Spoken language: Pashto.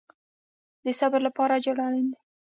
د صبر لپاره اجر اړین دی